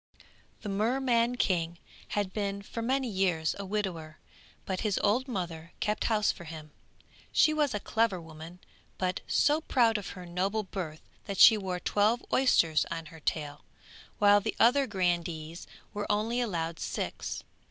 The Merman King had been for many years a widower, but his old mother kept house for him; she was a clever woman, but so proud of her noble birth that she wore twelve oysters on her tail, while the other grandees were only allowed six.